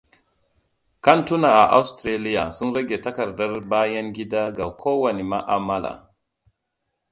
Kantuna a Ostiraliya sun rage takarda bayan gida ga kowane ma'amala